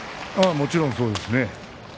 もちろんそうですね。